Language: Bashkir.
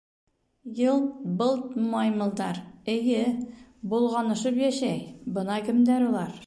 — Йылт-былт маймылдар, эйе, болғанышып йәшәй — бына кемдәр улар!